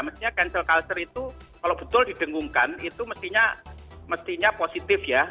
mestinya cancel culture itu kalau betul didengungkan itu mestinya positif ya